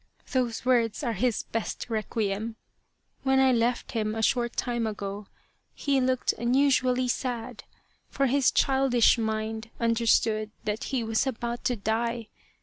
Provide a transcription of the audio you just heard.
Those words are his best requiem. When I left him a short time ago, he looked unusually sad for his childish mind understood that he was about to die.